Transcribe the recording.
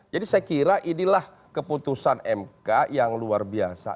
saya kira inilah keputusan mk yang luar biasa